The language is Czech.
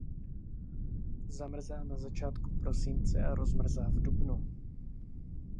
Zamrzá na začátku prosince a rozmrzá v dubnu.